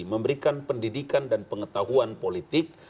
memberikan pendidikan dan pengetahuan politik